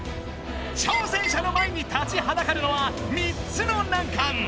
挑戦者の前に立ちはだかるのは３つの難関！